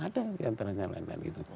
ada yang ternyata lain lain gitu